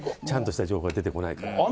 ちゃんとした情報が出てこないから。